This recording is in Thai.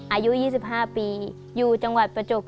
อายุ๒๕ปีอยู่จังหวัดประจกภิริคา